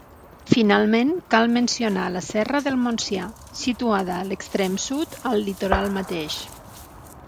Finalment cal mencionar la Serra del Montsià, situada a l'extrem sud al litoral mateix.